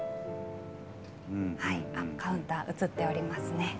カウンター、映っておりますね。